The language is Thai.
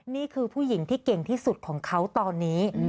นี่คือผู้หญิงที่เก่งที่สุดของเขาตอนนี้